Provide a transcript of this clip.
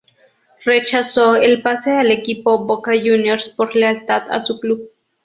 Rechazó el pase al equipo Boca Juniors por lealtad a su club.